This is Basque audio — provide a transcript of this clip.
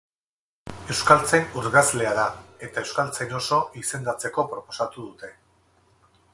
Euskaltzain urgazlea da, eta euskaltzain oso izendatzeko proposatu dute.